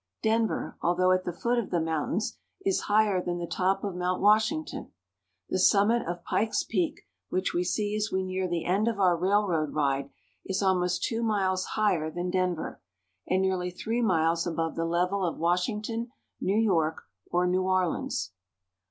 Denver, although at the foot of the mountains, is higher than the top of Mount Washing ton. The summit of Pikes Peak, which we see as we near the end of our railroad ride, is almost two miles higher than Denver, and nearly three miles above the level of Washington, New York, or New Orleans.